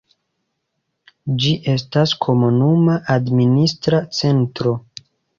Ĝi estas komunuma administra centro.